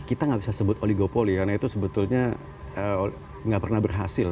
kita nggak bisa sebut oligopoli karena itu sebetulnya nggak pernah berhasil